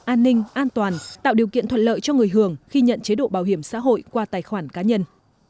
an ninh an toàn tạo điều kiện thuận lợi cho người hưởng khi nhận chế độ bảo hiểm xã hội qua tài khoản cá nhân